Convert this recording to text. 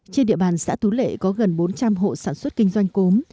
trên địa bàn xã thú lệ có gần bốn trăm linh hộ sản xuất kinh doanh cốm